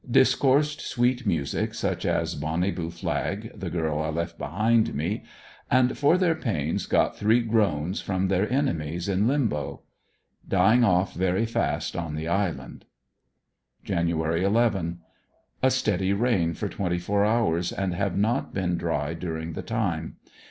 Discoursed sweet music, such as * 'Bonnie Blue Flag," The Girl I Left Behind Me," and for their pains got three groans from their enemies in limbo. Dying off very fast on the islani. Jan. 11 .— A steady rain for twenty four hours, and have not been dry during the time.